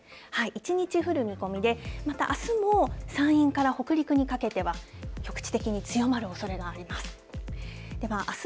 一日降る見込みで、またあすも山陰から北陸にかけては、局地的に強まるおそれがあります。